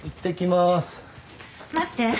待って。